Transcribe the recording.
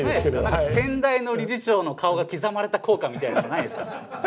何か先代の理事長の顔が刻まれた硬貨みたいなのないですか？